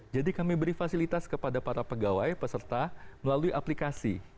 jadi kami beri fasilitas kepada para pegawai peserta melalui aplikasi